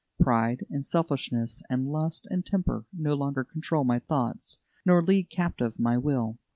Pride and selfishness, and lust and temper, no longer control my thoughts nor lead captive my will.